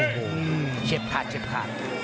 โอ้โหเช็บขาดเช็บขาด